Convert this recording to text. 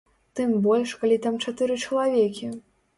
Тым больш, калі там чатыры чалавекі.